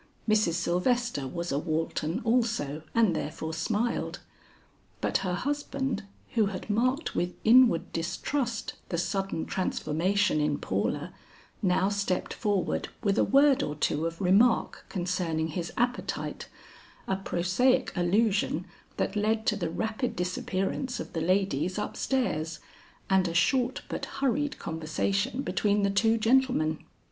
Mrs. Sylvester was a Walton also and therefore smiled; but her husband, who had marked with inward distrust, the sudden transformation in Paula, now stepped forward with a word or two of remark concerning his appetite, a prosaic allusion that led to the rapid disappearance of the ladies upstairs and a short but hurried conversation between the two gentlemen.